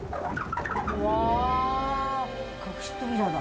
うわ隠し扉だ。